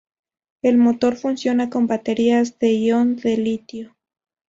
El motor funciona con Baterías de ion de litio.